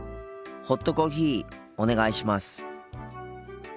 ホットコーヒーお願いします。